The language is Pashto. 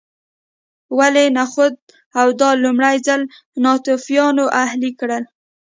ولې نخود او دال لومړي ځل ناتوفیانو اهلي کړل